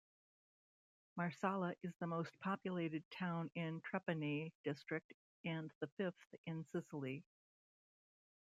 Marsala is the most populated town in Trapani District and the fifth in Sicily.